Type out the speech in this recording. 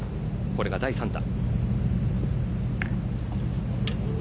これが第３打。